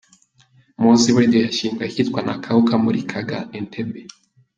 Mowzey Radio yashyinguwe ahitwa Nakawuka muri Kagga-Entebbe.